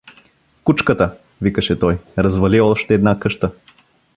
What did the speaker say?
Кучката — викаше той, — развали още една къща!